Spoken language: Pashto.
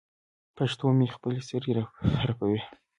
پیشو مې خپلې سترګې رپوي.